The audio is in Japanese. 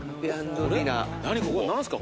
何すか？